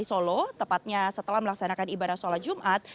di solo tepatnya setelah melaksanakan ibadah sholat jumat